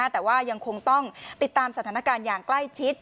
แต่ว่ายังคงต้องติดตามสถานการณ์อย่างใกล้ชิด